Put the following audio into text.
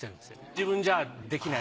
自分じゃできない。